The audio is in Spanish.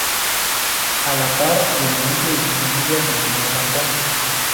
A la par del inicio de su familia continuó cantando.